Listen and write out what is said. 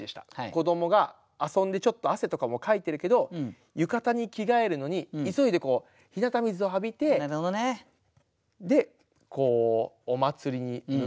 子どもが遊んでちょっと汗とかもかいてるけど浴衣に着替えるのに急いで日向水を浴びてでお祭りに向かう。